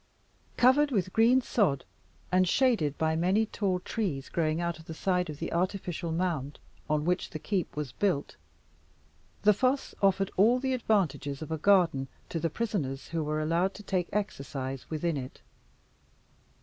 Covered with green sod, and shaded by many tall trees growing out of the side of the artificial mound on which the keep was built, the fosse offered all the advantages of a garden to the prisoners who were allowed to take exercise within it.